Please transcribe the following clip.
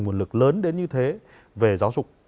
nguồn lực lớn đến như thế về giáo dục